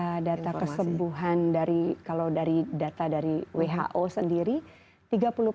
ya data kesembuhan dari kalau dari data dari who sendiri tiga puluh persen